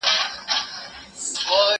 زه اوس ځواب ليکم!